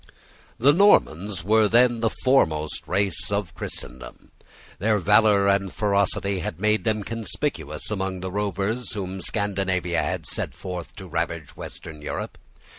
The Normans were then the foremost race of Christendom. Their valour and ferocity had made them conspicuous among the rovers whom Scandinavia had sent forth to ravage Western Europe.